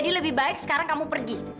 lebih baik sekarang kamu pergi